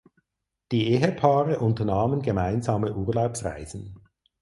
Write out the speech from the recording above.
Die Ehepaare unternahmen gemeinsame Urlaubsreisen.